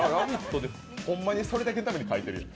ホンマにそれだけのために描いてるやん。